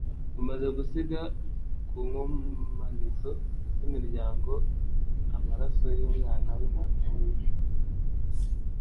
Bamaze gusiga ku nkomanizo z'imiryango amaraso y'umwana w'intama wishwe